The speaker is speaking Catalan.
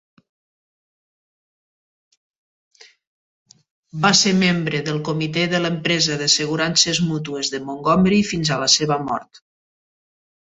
Va ser membre del comitè de l'Empresa d'Assegurances Mútues de Montgomery fins a la seva mort.